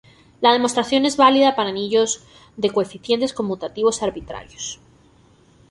La demostración es válida para anillos de coeficientes conmutativos arbitrarios.